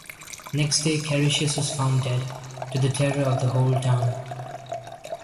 Next day Carisius was found dead, to the terror of the whole town.